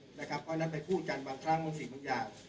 เพราะฉะนั้นไปพูดกันบางครั้งมองสิงพันยา